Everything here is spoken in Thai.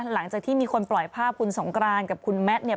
หลังจากที่มีคนปล่อยภาพคุณสงกรานกับคุณแมทเนี่ย